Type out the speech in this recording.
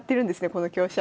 この香車。